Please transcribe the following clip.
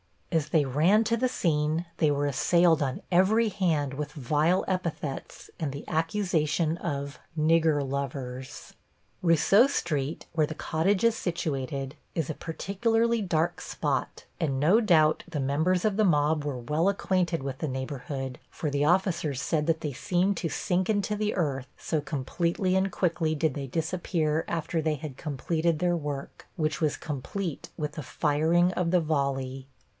As they ran to the scene they were assailed on every hand with vile epithets and the accusation of "Nigger lovers." Rousseau Street, where the cottage is situated, is a particularly dark spot, and no doubt the members of the mob were well acquainted with the neighborhood, for the officers said that they seemed to sink into the earth, so completely and quickly did they disappear after they had completed their work, which was complete with the firing of the volley.